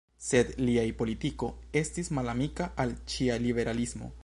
Sed liaj politiko estis malamika al ĉia liberalismo.